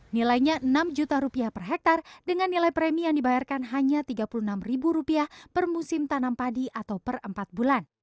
nilainya rp enam juta rupiah per hektare dengan nilai premi yang dibayarkan hanya rp tiga puluh enam per musim tanam padi atau per empat bulan